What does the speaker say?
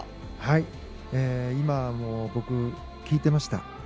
今、僕聞いていました。